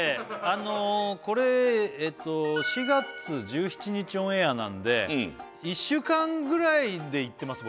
あのこれえっと４月１７日オンエアなんでうん１週間ぐらいで行ってます